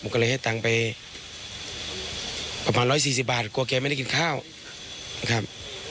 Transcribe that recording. ก็เลยให้ตังค์ไปประมาณ๑๔๐บาทกลัวแกไม่ได้กินข้าวนะครับ